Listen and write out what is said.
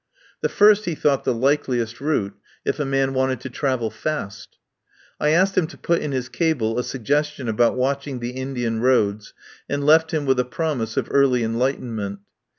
The first he thought the likeliest route, if a man wanted to travel fast. I asked him to put in his cable a sugges tion about watching the Indian roads, and left him with a promise of early enlightenment.